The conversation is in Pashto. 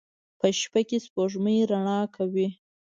په شپه کې سپوږمۍ رڼا کوي